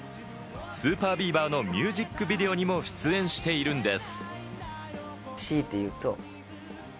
ＳＵＰＥＲＢＥＡＶＥＲのミュージックビデオにも出演しているんです。